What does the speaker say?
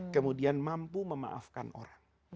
kemudian mampu memaafkan orang